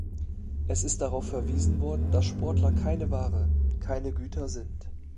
Es ist darauf verwiesen worden, dass Sportler keine Ware, keine Güter sind.